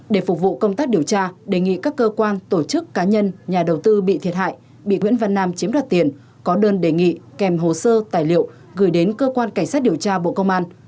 để phục vụ công tác điều tra đề nghị các cơ quan tổ chức cá nhân nhà đầu tư bị thiệt hại bị nguyễn văn nam chiếm đoạt tiền có đơn đề nghị kèm hồ sơ tài liệu gửi đến cơ quan cảnh sát điều tra bộ công an